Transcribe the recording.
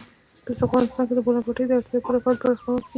په افغانستان کې د د بولان پټي د اړتیاوو پوره کولو لپاره اقدامات کېږي.